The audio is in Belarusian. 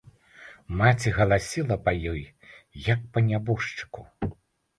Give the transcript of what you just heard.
Маці галасіла па ёй, як па нябожчыку.